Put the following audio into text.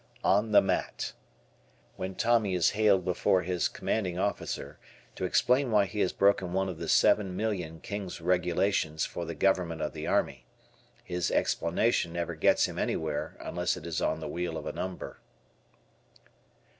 "On the mat." When Tommy is haled before his commanding officer to explain why he has broken one of the seven million King's regulations for the government of the Army. His "explanation" never gets him anywhere unless it is on the wheel of a Umber.